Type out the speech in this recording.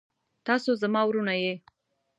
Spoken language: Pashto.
تاسو زما وروڼه يې.